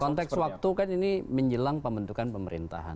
konteks waktu kan ini menjelang pembentukan pemerintahan